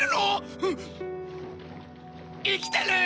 生きてる！